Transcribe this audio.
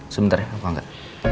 sebentar ya aku angkat